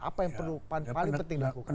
apa yang paling penting dilakukan